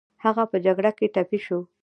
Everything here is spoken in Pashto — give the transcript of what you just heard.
هغه په جګړه کې ټپي شو